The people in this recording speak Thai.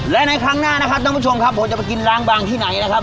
แล้วในครั้งหน้านะครับคุณผู้ชมจะไปกินล้างบางที่ไหนนะครับ